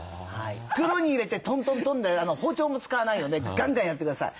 袋に入れてトントントンで包丁も使わないのでガンガンやってください。